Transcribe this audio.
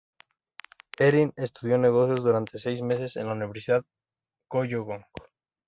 Erin estudió negocios durante seis meses en la Universidad Wollongong.